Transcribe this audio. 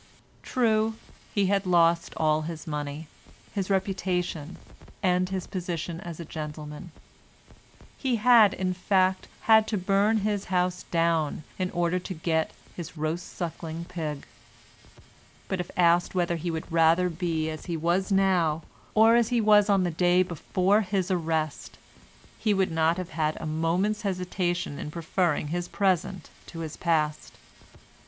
True, he had lost all his money, his reputation, and his position as a gentleman; he had, in fact, had to burn his house down in order to get his roast sucking pig; but if asked whether he would rather be as he was now or as he was on the day before his arrest, he would not have had a moment's hesitation in preferring his present to his past.